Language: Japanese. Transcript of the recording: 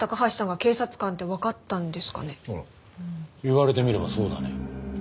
言われてみればそうだね。